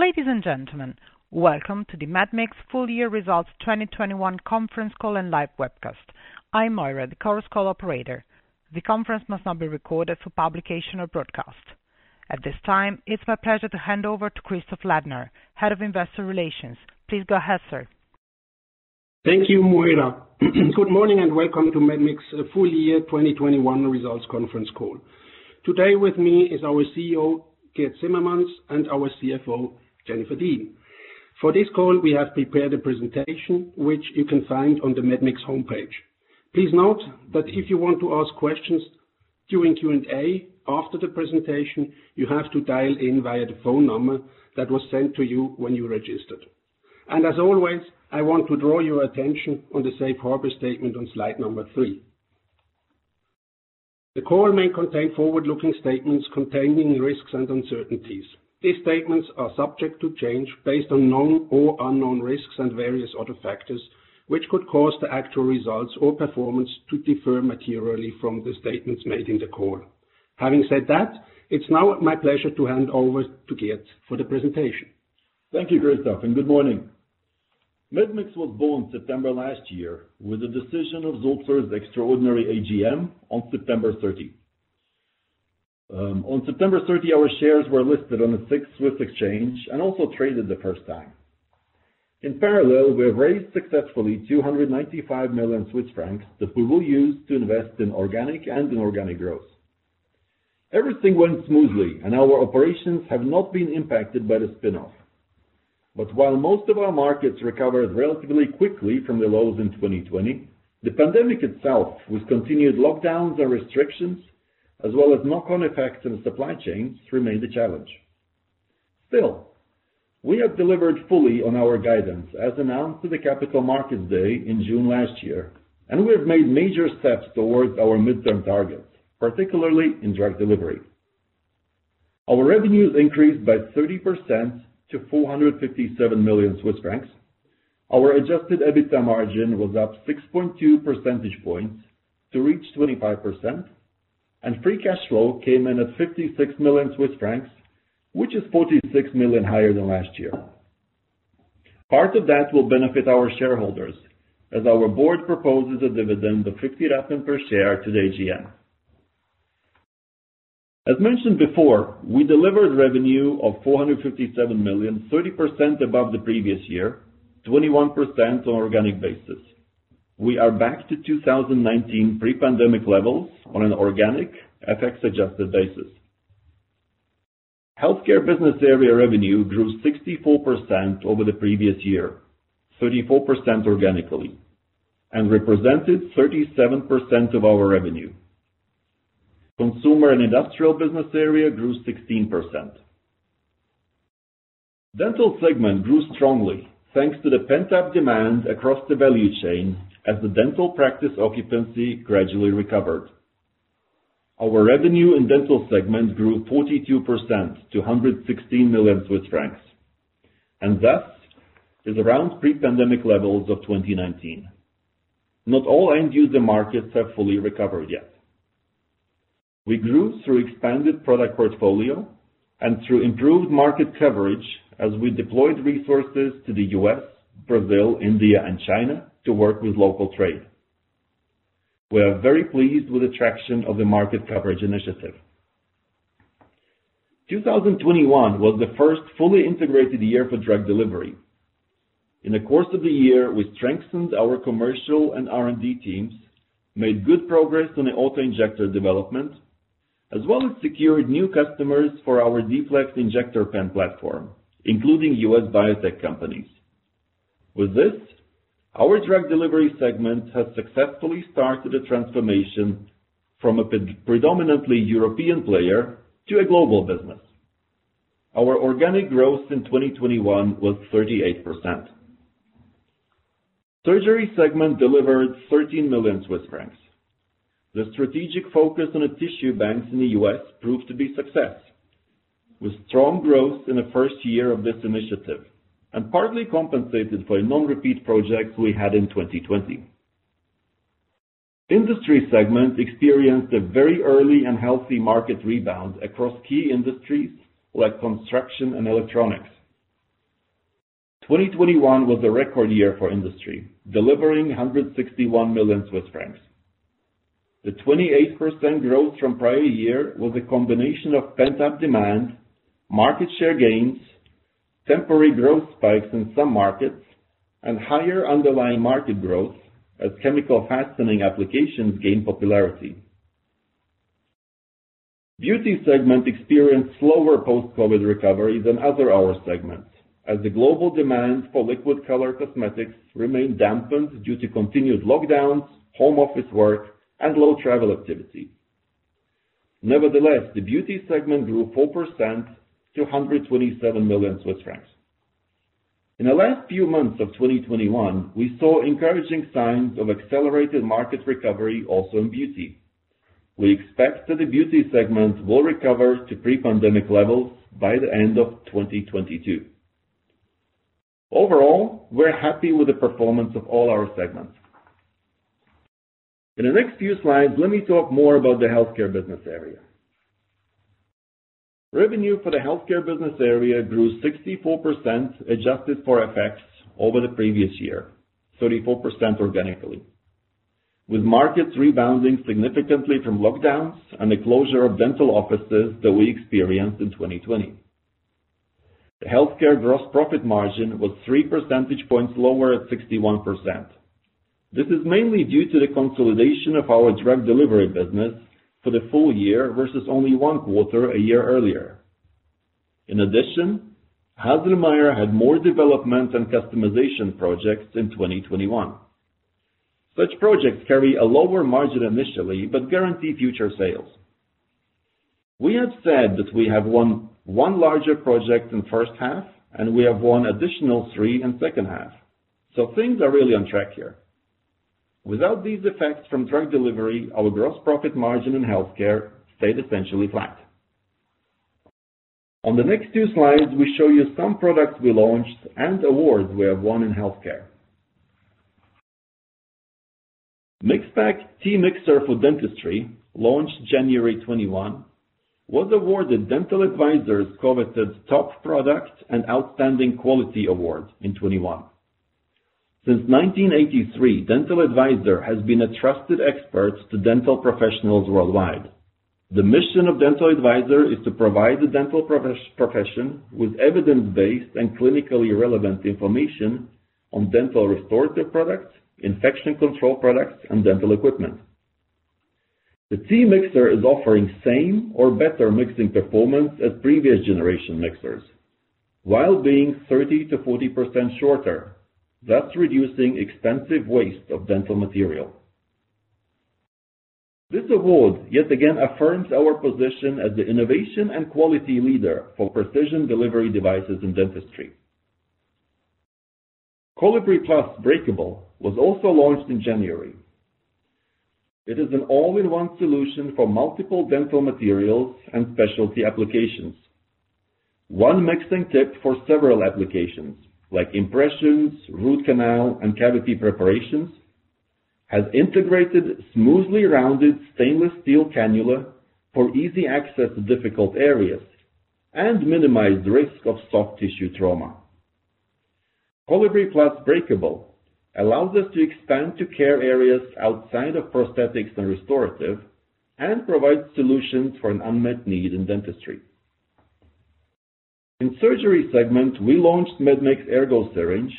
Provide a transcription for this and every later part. Ladies and gentlemen, welcome to the medmix full-year results 2021 conference call and live webcast. I'm Moira, the Chorus Call operator. The conference must not be recorded for publication or broadcast. At this time, it's my pleasure to hand over to Christoph Ladner, Head of Investor Relations. Please go ahead, sir. Thank you, Moira. Good morning and welcome to medmix full-year 2021 results conference call. Today with me is our CEO, Girts Cimermans, and our CFO, Jennifer Dean. For this call, we have prepared a presentation which you can find on the medmix homepage. Please note that if you want to ask questions during Q&A after the presentation, you have to dial in via the phone number that was sent to you when you registered. As always, I want to draw your attention on the safe harbor statement on slide number three. The call may contain forward-looking statements containing risks and uncertainties. These statements are subject to change based on known or unknown risks and various other factors, which could cause the actual results or performance to differ materially from the statements made in the call. Having said that, it's now my pleasure to hand over to Girts for the presentation. Thank you, Christoph, and good morning. Medmix was born in September last year with the decision of Sulzer's extraordinary AGM on September 13. On September 30, our shares were listed on the SIX Swiss Exchange and also traded the first time. In parallel, we have raised successfully 295 million Swiss francs that we will use to invest in organic and inorganic growth. Everything went smoothly, and our operations have not been impacted by the spin-off. While most of our markets recovered relatively quickly from the lows in 2020, the pandemic itself, with continued lockdowns and restrictions, as well as knock-on effects and supply chains, remained a challenge. Still, we have delivered fully on our guidance as announced to the Capital Markets Day in June last year, and we have made major steps towards our midterm targets, particularly in drug delivery. Our revenues increased by 30% to 457 million Swiss francs. Our adjusted EBITDA margin was up 6.2 percentage points to reach 25%, and free cash flow came in at 56 million Swiss francs, which is 46 million higher than last year. Part of that will benefit our shareholders, as our board proposes a dividend of 50 Rappen per share to the AGM. As mentioned before, we delivered revenue of 457 million, 30% above the previous year, 21% on organic basis. We are back to 2019 pre-pandemic levels on an organic FX-adjusted basis. Healthcare business area revenue grew 64% over the previous year, 34% organically, and represented 37% of our revenue. Consumer and industrial business area grew 16%. Dental segment grew strongly thanks to the pent-up demand across the value chain as the dental practice occupancy gradually recovered. Our revenue in Dental segment grew 42% to 116 million Swiss francs, and thus is around pre-pandemic levels of 2019. Not all end user markets have fully recovered yet. We grew through expanded product portfolio and through improved market coverage as we deployed resources to the U.S., Brazil, India and China to work with local trade. We are very pleased with the traction of the market coverage initiative. 2021 was the first fully integrated year for drug delivery. In the course of the year, we strengthened our commercial and R&D teams, made good progress on the auto-injector development, as well as secured new customers for our D-Flex injector pen platform, including U.S. biotech companies. With this, our drug delivery segment has successfully started a transformation from a predominantly European player to a global business. Our organic growth in 2021 was 38%. Surgery segment delivered 13 million Swiss francs. The strategic focus on the tissue banks in the U.S. proved to be successful, with strong growth in the first year of this initiative and partly compensated for a non-repeat project we had in 2020. Industry segment experienced a very early and healthy market rebound across key industries like construction and electronics. 2021 was a record year for industry, delivering 161 million Swiss francs. The 28% growth from prior year was a combination of pent-up demand, market share gains, temporary growth spikes in some markets, and higher underlying market growth as chemical fastening applications gained popularity. Beauty segment experienced slower post-COVID recovery than our other segments as the global demand for liquid color cosmetics remained dampened due to continued lockdowns, home office work, and low travel activity. Nevertheless, the Beauty segment grew 4% to 127 million Swiss francs. In the last few months of 2021, we saw encouraging signs of accelerated market recovery also in Beauty. We expect that the Beauty segment will recover to pre-pandemic levels by the end of 2022. Overall, we're happy with the performance of all our segments. In the next few slides, let me talk more about the Healthcare business area. Revenue for the Healthcare business area grew 64% adjusted for FX over the previous year, 34% organically, with markets rebounding significantly from lockdowns and the closure of dental offices that we experienced in 2020. The healthcare gross profit margin was 3 percentage points lower at 61%. This is mainly due to the consolidation of our drug delivery business for the full-year versus only one quarter a year earlier. In addition, Haselmeier had more development and customization projects in 2021. Such projects carry a lower margin initially but guarantee future sales. We have said that we have won one larger project in the first half, and we have won additional three in the second half. Things are really on track here. Without these effects from drug delivery, our gross profit margin in healthcare stayed essentially flat. On the next two slides, we show you some products we launched and awards we have won in healthcare. MIXPAC T-Mixer for Dentistry, launched January 2021, was awarded Dental Advisor's coveted Top Product and Outstanding Quality award in 2021. Since 1983, Dental Advisor has been a trusted expert to dental professionals worldwide. The mission of Dental Advisor is to provide the dental profession with evidence-based and clinically relevant information on dental restorative products, infection control products, and dental equipment. The T-Mixer is offering same or better mixing performance as previous generation mixers while being 30%-40% shorter, thus reducing extensive waste of dental material. This award yet again affirms our position as the innovation and quality leader for precision delivery devices in dentistry. Colibri Plus Breakable was also launched in January. It is an all-in-one solution for multiple dental materials and specialty applications, one mixing tip for several applications like impressions, root canal, and cavity preparations, has integrated smoothly rounded stainless steel cannula for easy access to difficult areas and minimized risk of soft tissue trauma. Colibri Plus Breakable allows us to expand to care areas outside of prosthetics and restorative and provides solutions for an unmet need in dentistry. In surgery segment, we launched medmix ErgoSyringe,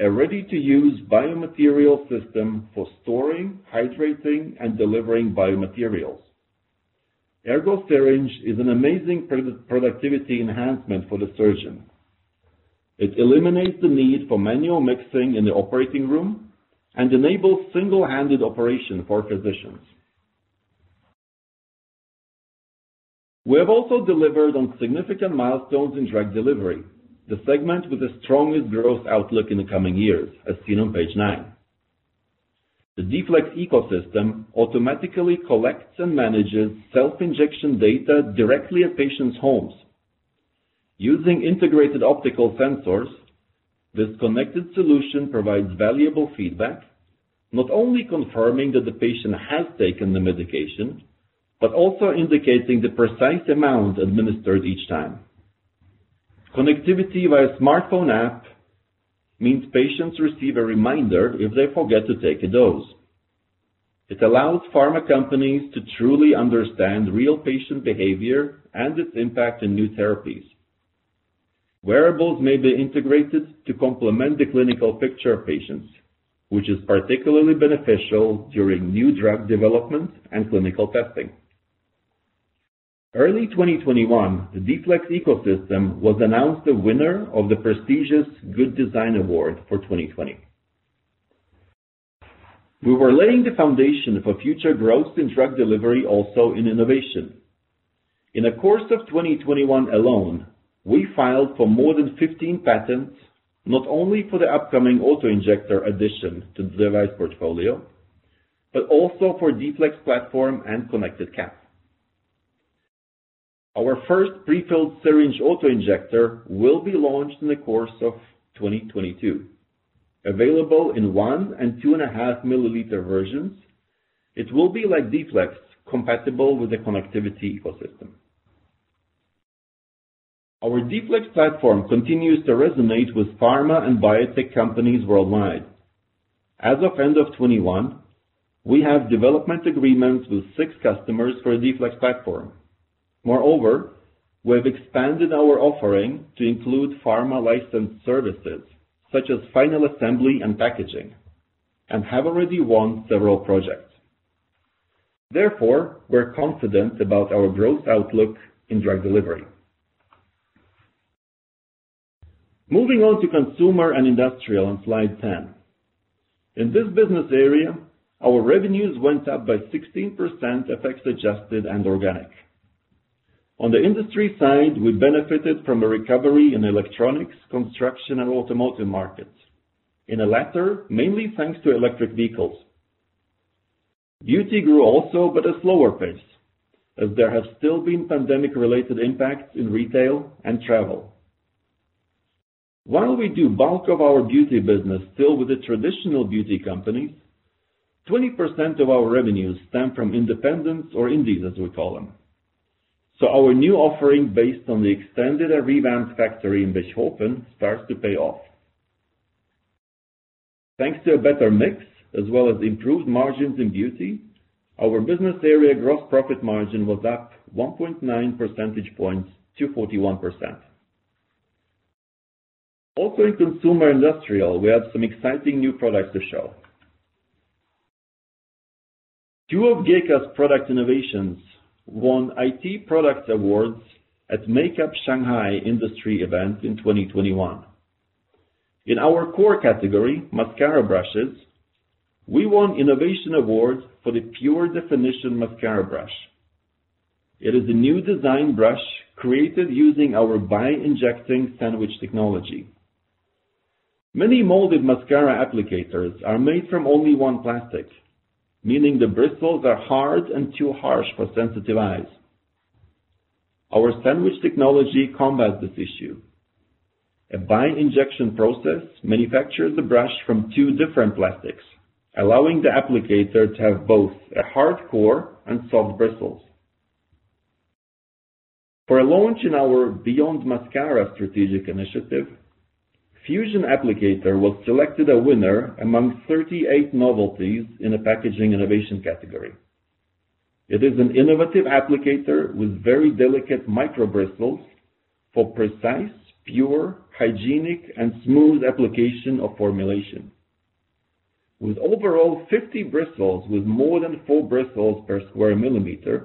a ready-to-use biomaterial system for storing, hydrating, and delivering biomaterials. ErgoSyringe is an amazing productivity enhancement for the surgeon. It eliminates the need for manual mixing in the operating room and enables single-handed operation for physicians. We have also delivered on significant milestones in drug delivery, the segment with the strongest growth outlook in the coming years, as seen on page 9. The D-Flex ecosystem automatically collects and manages self-injection data directly at patients' homes. Using integrated optical sensors, this connected solution provides valuable feedback, not only confirming that the patient has taken the medication, but also indicating the precise amount administered each time. Connectivity via smartphone app means patients receive a reminder if they forget to take a dose. It allows pharma companies to truly understand real patient behavior and its impact in new therapies. Wearables may be integrated to complement the clinical picture of patients, which is particularly beneficial during new drug development and clinical testing. Early 2021, the D-Flex ecosystem was announced the winner of the prestigious Good Design Award for 2020. We were laying the foundation for future growth in drug delivery, also in innovation. In the course of 2021 alone, we filed for more than 15 patents, not only for the upcoming auto-injector addition to device portfolio, but also for D-Flex platform and connected caps. Our first prefilled syringe auto-injector will be launched in the course of 2022. Available in 1- and 2.5-milliliter versions, it will be, like D-Flex, compatible with the connectivity ecosystem. Our D-Flex platform continues to resonate with pharma and biotech companies worldwide. As of the end of 2021, we have development agreements with 6 customers for D-Flex platform. Moreover, we have expanded our offering to include pharma licensed services such as final assembly and packaging, and have already won several projects. Therefore, we're confident about our growth outlook in drug delivery. Moving on to consumer and industrial on slide 10. In this business area, our revenues went up by 16% FX adjusted and organic. On the industry side, we benefited from a recovery in electronics, construction, and automotive markets. In the latter, mainly thanks to electric vehicles. Beauty grew also but at a slower pace, as there have still been pandemic-related impacts in retail and travel. While we do the bulk of our beauty business still with the traditional beauty companies, 20% of our revenues stem from independents or indies, as we call them. Our new offering based on the extended and revamped factory in Bischofszell starts to pay off. Thanks to a better mix as well as improved margins in Beauty, our business area gross profit margin was up 1.9 percentage points to 41%. Also, in Consumer Industrial, we have some exciting new products to show. 2 of GEKA's product innovations won IT Products Awards at MakeUp in Shanghai industry event in 2021. In our core category, mascara brushes, we won innovation awards for the Pure Definition mascara brush. It is a new design brush created using our bi-injection sandwich technology. Many molded mascara applicators are made from only one plastic, meaning the bristles are hard and too harsh for sensitive eyes. Our sandwich technology combats this issue. A bi-injection process manufactures the brush from two different plastics, allowing the applicator to have both a hard core and soft bristles. For a launch in our Beyond Mascara strategic initiative, fusionAPPLICATOR was selected a winner among 38 novelties in a packaging innovation category. It is an innovative applicator with very delicate micro bristles for precise, pure, hygienic, and smooth application of formulation. With overall 50 bristles with more than 4 bristles per sq mm,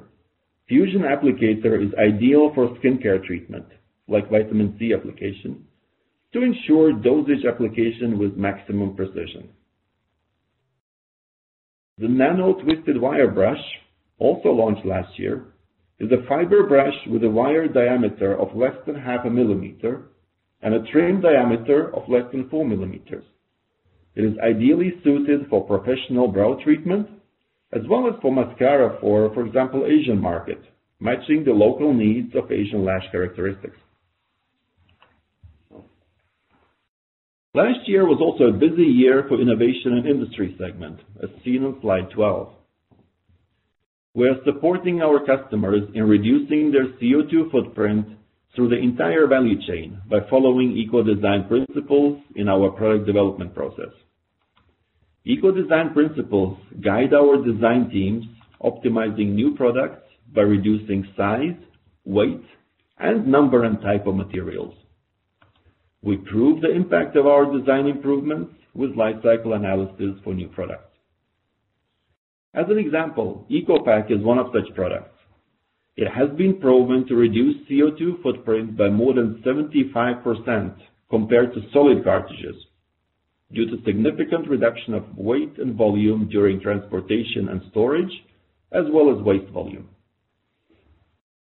fusionAPPLICATOR is ideal for skincare treatment like vitamin C application to ensure dosage application with maximum precision. The nano twisted wire brush, also launched last year, is a fiber brush with a wire diameter of less than 0.5 mm and a trim diameter of less than 4 mm. It is ideally suited for professional brow treatment as well as for mascara, for example, Asian market, matching the local needs of Asian lash characteristics. Last year was also a busy year for innovation and industry segment, as seen on slide 12. We are supporting our customers in reducing their CO₂ footprint through the entire value chain by following eco design principles in our product development process. Eco design principles guide our design teams, optimizing new products by reducing size, weight, and number, and type of materials. We prove the impact of our design improvements with life cycle analysis for new products. As an example, EcoPack is one of such products. It has been proven to reduce CO₂ footprint by more than 75% compared to solid cartridges due to significant reduction of weight and volume during transportation and storage, as well as waste volume.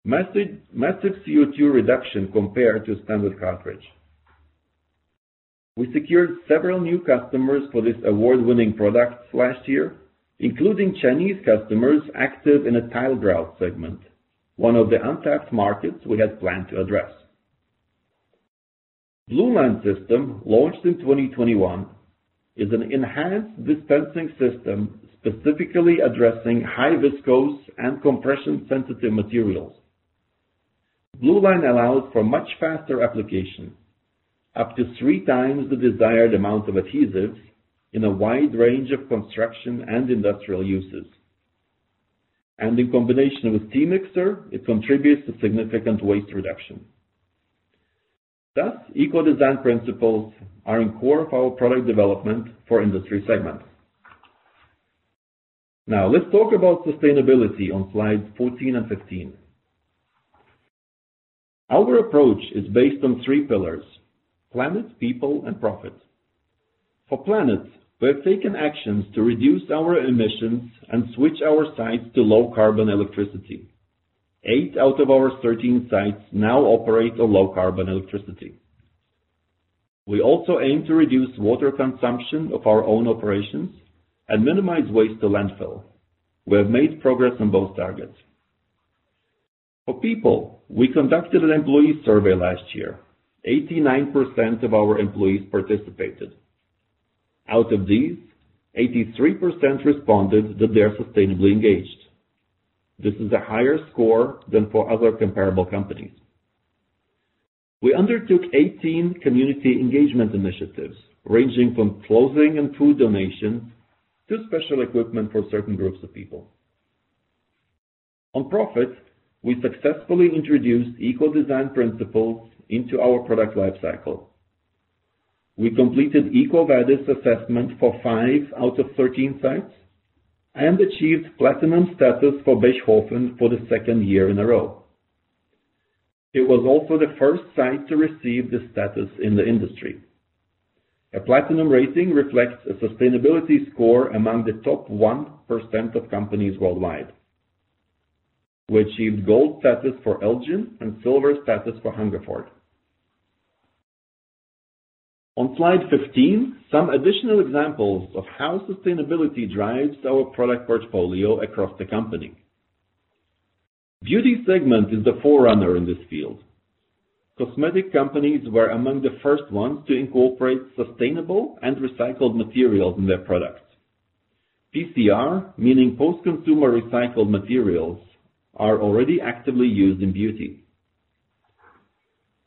Massive, massive CO₂ reduction compared to standard cartridge. We secured several new customers for this award-winning product last year, including Chinese customers active in a tile grout segment, one of the untapped markets we had planned to address. Blueline system, launched in 2021, is an enhanced dispensing system, specifically addressing high-viscosity and compression-sensitive materials. Blueline allows for much faster application, up to three times the desired amount of adhesives in a wide range of construction and industrial uses. In combination with T-Mixer, it contributes to significant waste reduction. Thus, eco-design principles are at the core of our product development for industry segments. Now, let's talk about sustainability on slides 14 and 15. Our approach is based on three pillars, planet, people, and profit. For planet, we have taken actions to reduce our emissions and switch our sites to low carbon electricity. 8 out of our 13 sites now operate on low carbon electricity. We also aim to reduce water consumption of our own operations and minimize waste to landfill. We have made progress on both targets. For people, we conducted an employee survey last year. 89% of our employees participated. Out of these, 83% responded that they are sustainably engaged. This is a higher score than for other comparable companies. We undertook 18 community engagement initiatives ranging from clothing and food donations to special equipment for certain groups of people. On profit, we successfully introduced eco design principles into our product life cycle. We completed EcoVadis assessment for 5 out of 13 sites and achieved platinum status for Bischofszell for the second year in a row. It was also the first site to receive this status in the industry. A platinum rating reflects a sustainability score among the top 1% of companies worldwide. We achieved gold status for Elgin and silver status for Hungerford. On slide 15, some additional examples of how sustainability drives our product portfolio across the company. Beauty segment is the forerunner in this field. Cosmetic companies were among the first ones to incorporate sustainable and recycled materials in their products. PCR, meaning post-consumer recycled materials, are already actively used in Beauty.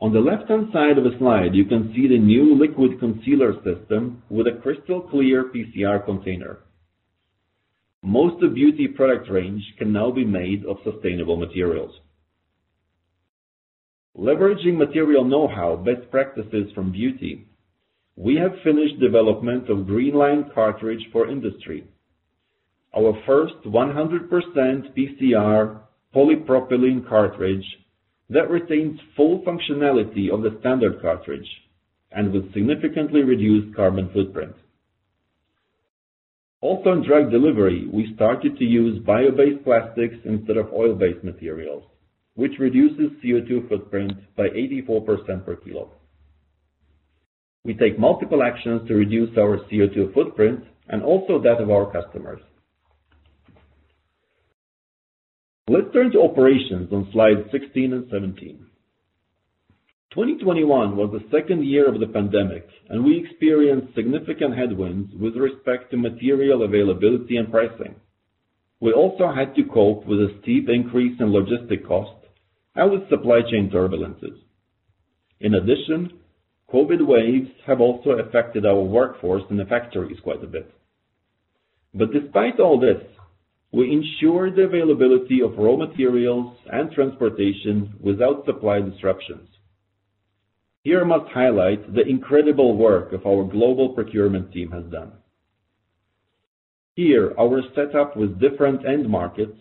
On the left-hand side of the slide, you can see the new liquid concealer system with a crystal clear PCR container. Most of Beauty product range can now be made of sustainable materials. Leveraging material know-how best practices from Beauty, we have finished development of greenLine cartridge for industry. Our first 100% PCR polypropylene cartridge that retains full functionality of the standard cartridge and with significantly reduced carbon footprint. in drug delivery, we started to use bio-based plastics instead of oil-based materials, which reduces CO₂ footprint by 84% per kilo. We take multiple actions to reduce our CO₂ footprint and also that of our customers. Let's turn to operations on slides 16 and 17. 2021 was the second year of the pandemic, and we experienced significant headwinds with respect to material availability and pricing. We also had to cope with a steep increase in logistic costs and with supply chain turbulences. In addition, COVID waves have also affected our workforce in the factories quite a bit. despite all this, we ensure the availability of raw materials and transportation without supply disruptions. Here I must highlight the incredible work of our global procurement team has done. Here, our setup with different end markets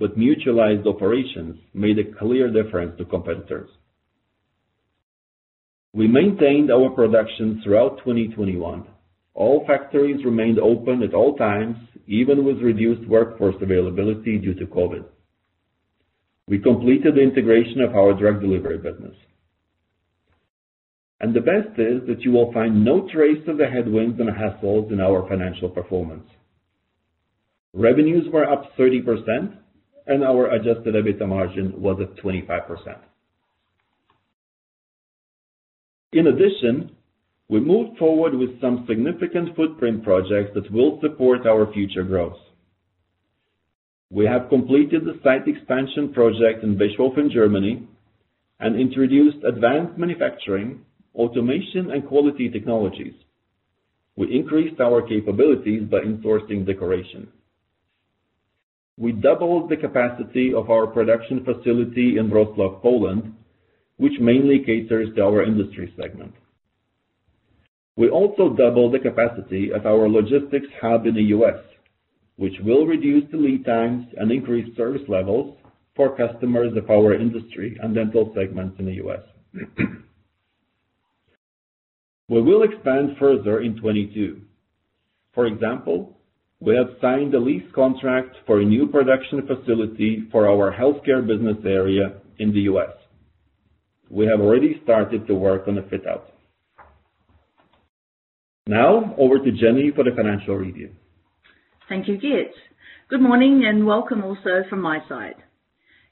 with mutualized operations made a clear difference to competitors. We maintained our production throughout 2021. All factories remained open at all times, even with reduced workforce availability due to COVID. We completed the integration of our drug delivery business. The best is that you will find no trace of the headwinds and hassles in our financial performance. Revenues were up 30% and our adjusted EBITDA margin was at 25%. In addition, we moved forward with some significant footprint projects that will support our future growth. We have completed the site expansion project in Bischofszell, Germany and introduced advanced manufacturing, automation, and quality technologies. We increased our capabilities by insourcing decoration. We doubled the capacity of our production facility in Wrocław, Poland, which mainly caters to our industry segment. We also doubled the capacity at our logistics hub in the U.S., which will reduce the lead times and increase service levels for customers of our industry and dental segments in the U.S. We will expand further in 2022. For example, we have signed a lease contract for a new production facility for our healthcare business area in the U.S. We have already started to work on the fit-out. Now, over to Jennifer for the financial review. Thank you, Girts. Good morning and welcome also from my side.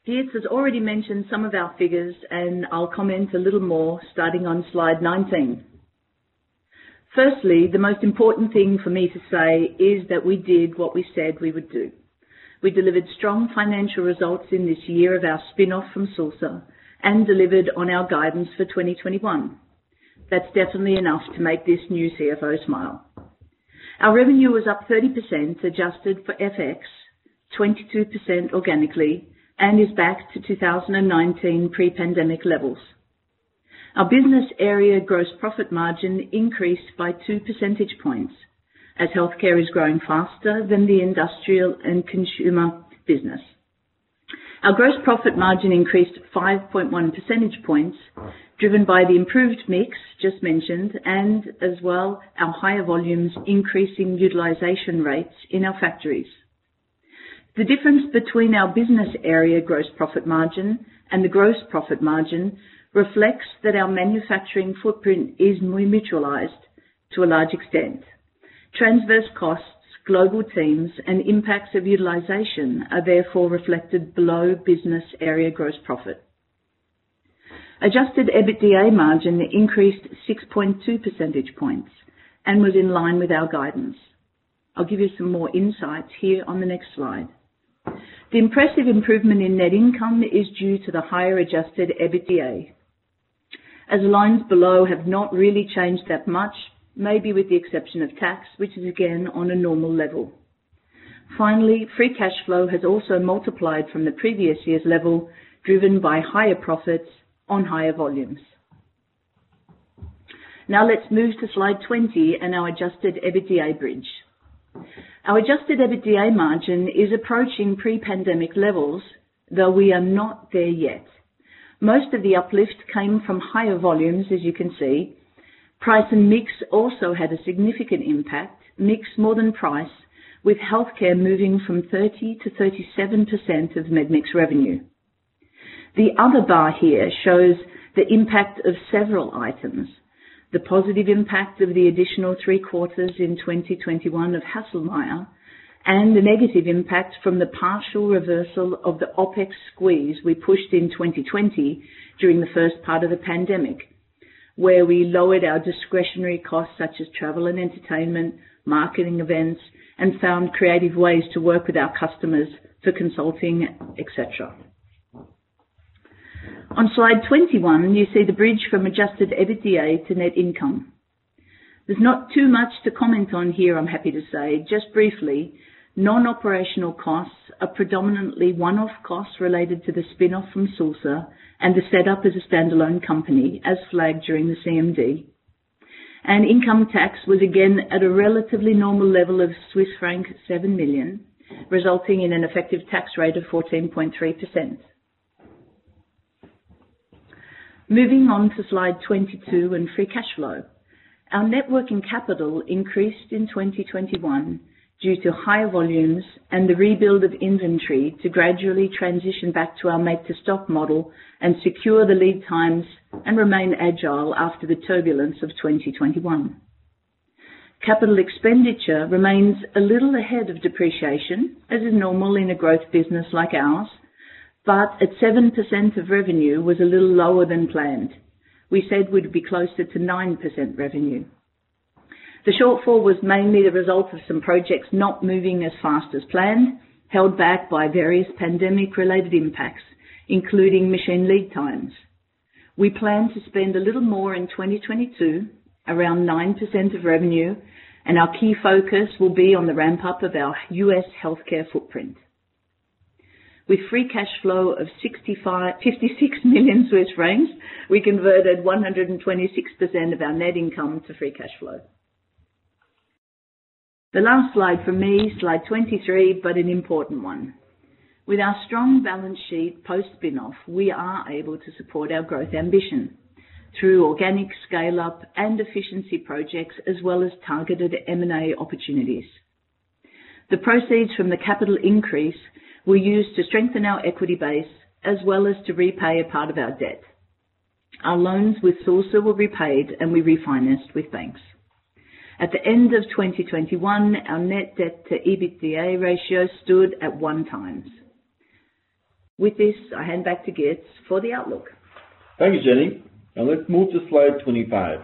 Girts has already mentioned some of our figures, and I'll comment a little more starting on slide 19. Firstly, the most important thing for me to say is that we did what we said we would do. We delivered strong financial results in this year of our spin-off from Sulzer and delivered on our guidance for 2021. That's definitely enough to make this new CFO smile. Our revenue was up 30%, adjusted for FX, 22% organically, and is back to 2019 pre-pandemic levels. Our business area gross profit margin increased by two percentage points as healthcare is growing faster than the industrial and consumer business. Our gross profit margin increased 5.1 percentage points, driven by the improved mix just mentioned and as well our higher volumes increasing utilization rates in our factories. The difference between our business area gross profit margin and the gross profit margin reflects that our manufacturing footprint is mutualized to a large extent. Transverse costs, global teams, and impacts of utilization are therefore reflected below business area gross profit. Adjusted EBITDA margin increased 6.2 percentage points and was in line with our guidance. I'll give you some more insight here on the next slide. The impressive improvement in net income is due to the higher adjusted EBITDA, as lines below have not really changed that much, maybe with the exception of tax, which is again on a normal level. Finally, free cash flow has also multiplied from the previous year's level, driven by higher profits on higher volumes. Now let's move to slide 20 and our adjusted EBITDA bridge. Our adjusted EBITDA margin is approaching pre-pandemic levels, though we are not there yet. Most of the uplift came from higher volumes, as you can see. Price and mix also had a significant impact, mix more than price, with healthcare moving from 30%-37% of medmix revenue. The other bar here shows the impact of several items. The positive impact of the additional 3 quarters in 2021 of Haselmeier, and the negative impact from the partial reversal of the OpEx squeeze we pushed in 2020 during the first part of the pandemic, where we lowered our discretionary costs such as travel and entertainment, marketing events, and found creative ways to work with our customers for consulting, etc. On slide 21, you see the bridge from adjusted EBITDA to net income. There's not too much to comment on here, I'm happy to say. Just briefly, non-operational costs are predominantly one-off costs related to the spin-off from Sulzer and the set up as a standalone company as flagged during the CMD. Income tax was again at a relatively normal level of Swiss franc 7 million, resulting in an effective tax rate of 14.3%. Moving on to slide 22 and free cash flow. Our net working capital increased in 2021 due to higher volumes and the rebuild of inventory to gradually transition back to our make to stock model and secure the lead times and remain agile after the turbulence of 2021. Capital expenditure remains a little ahead of depreciation, as is normal in a growth business like ours, but at 7% of revenue was a little lower than planned. We said we'd be closer to 9% revenue. The shortfall was mainly the result of some projects not moving as fast as planned, held back by various pandemic related impacts, including machine lead times. We plan to spend a little more in 2022, around 9% of revenue, and our key focus will be on the ramp-up of our U.S. healthcare footprint. With free cash flow of 56 million Swiss francs, we converted 126% of our net income to free cash flow. The last slide for me, slide 23, but an important one. With our strong balance sheet post-spin-off, we are able to support our growth ambition through organic scale up and efficiency projects, as well as targeted M&A opportunities. The proceeds from the capital increase we use to strengthen our equity base as well as to repay a part of our debt. Our loans with Sulzer were repaid and we refinanced with banks. At the end of 2021, our net debt to EBITDA ratio stood at 1x. With this, I hand back to Girts for the outlook. Thanks, Jenny. Now let's move to slide 25.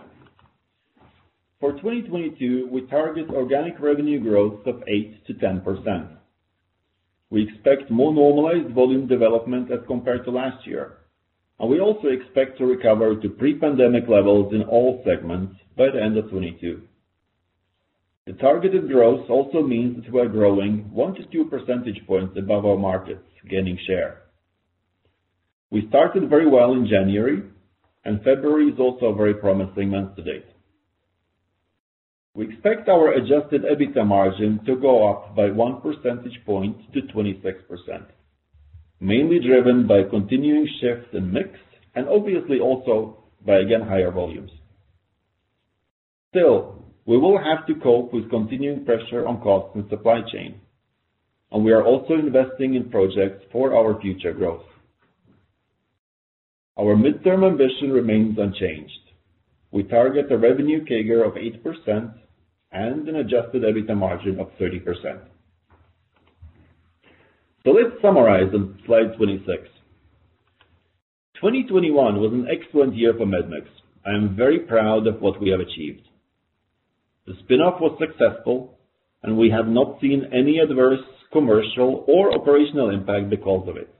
For 2022, we target organic revenue growth of 8%-10%. We expect more normalized volume development as compared to last year, and we also expect to recover to pre-pandemic levels in all segments by the end of 2022. The targeted growth also means that we are growing 1-2 percentage points above our markets, gaining share. We started very well in January, and February is also very promising month to date. We expect our adjusted EBITDA margin to go up by 1 percentage point to 26%, mainly driven by continuing shifts in mix and obviously also by again, higher volumes. Still, we will have to cope with continuing pressure on costs and supply chain, and we are also investing in projects for our future growth. Our midterm ambition remains unchanged. We target a revenue CAGR of 8% and an adjusted EBITDA margin of 30%. Let's summarize on slide 26. 2021 was an excellent year for medmix. I am very proud of what we have achieved. The spin-off was successful and we have not seen any adverse commercial or operational impact because of it.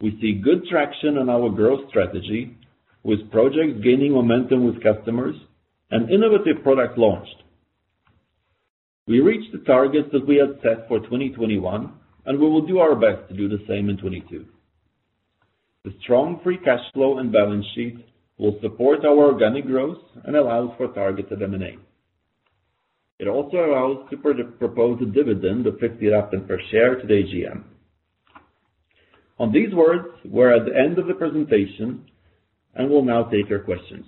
We see good traction on our growth strategy with projects gaining momentum with customers and innovative products launched. We reached the targets that we had set for 2021, and we will do our best to do the same in 2022. The strong free cash flow and balance sheet will support our organic growth and allows for targeted M&A. It also allows to propose a dividend of 0.50 per share to the AGM. On these words, we're at the end of the presentation and will now take your questions.